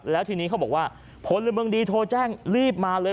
แล้วทีนี้เขาบอกว่าพลเมืองดีโทรแจ้งรีบมาเลย